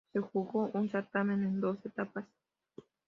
Se jugó un certamen en dos etapas.